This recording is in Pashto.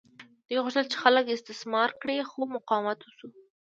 دوی غوښتل چې خلک استثمار کړي خو مقاومت وشو.